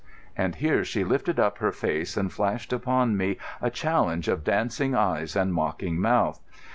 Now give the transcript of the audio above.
And here she lifted up her face and flashed upon me a challenge of dancing eyes and mocking mouth.